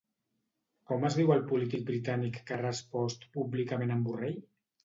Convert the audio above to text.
Com es diu el polític britànic que ha respost públicament en Borrell?